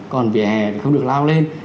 còn vỉa hè thì không được lao lên